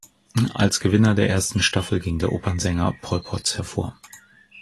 Als Gewinner der ersten Staffel ging der Opernsänger Paul Potts hervor.